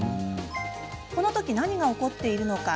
このとき何が起きているのか。